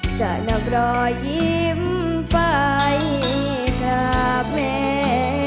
จะนำรอยยิ้มไปกราบแม่